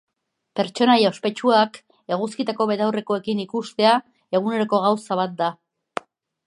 Pertsonaia ospetsuak eguzkitako betaurrekoekin ikustea eguneroko gauza bat da.